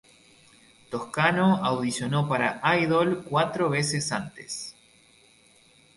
Toscano audicionó para "Idol" cuatro veces antes.